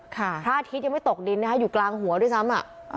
พระอาทิตย์ยังไม่ตกดินนะคะอยู่กลางหัวด้วยซ้ำอ่ะ